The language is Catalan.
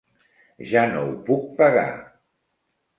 Ja no ho puc pagar.